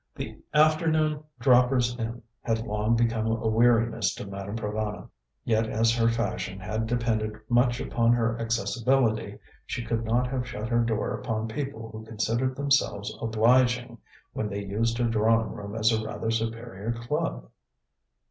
The afternoon droppers in had long become a weariness to Madame Provana, yet as her fashion had depended much upon her accessibility, she could not shut her door upon people who considered themselves obliging when they used her drawing room as a rather superior club.